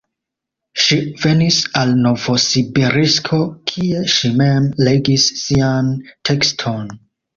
Ŝi venis al Novosibirsko, kie ŝi mem legis sian tekston.